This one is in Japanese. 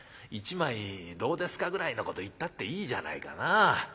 『１枚どうですか？』ぐらいのこと言ったっていいじゃないかな。